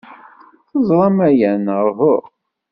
Teẓram aya, neɣ uhu?